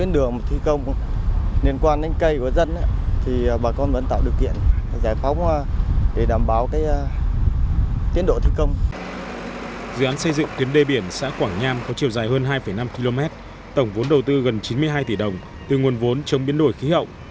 dự án xây dựng tuyến đê biển xã quảng nham có chiều dài hơn hai năm km tổng vốn đầu tư gần chín mươi hai tỷ đồng từ nguồn vốn trong biến đổi khí hậu